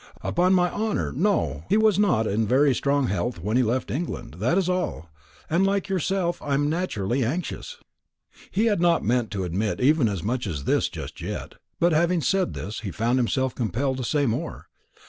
"Upon my honour, no. He was not in very strong health when he left England, that is all; and, like yourself, I am naturally anxious." He had not meant to admit even as much as this just yet; but having said this, he found himself compelled to say more.